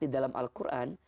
di dalam al quran